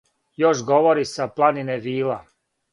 Још говори са планине вила: